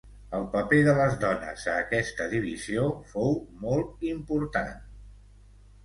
El paper de les dones a aquesta divisió fou molt important.